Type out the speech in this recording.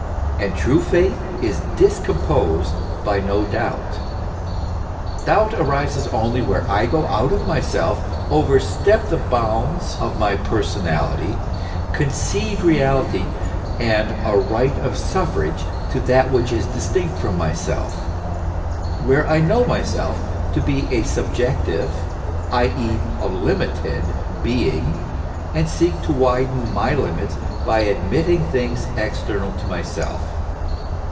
And true faith is discomposed by no doubt. Doubt arises only where I go out of myself, overstep the bounds of my personality, concede reality and a right of suffrage to that which is distinct from myself; where I know myself to be a subjective, i.e., a limited being, and seek to widen my limits by admitting things external to myself.